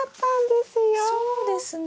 そうですね。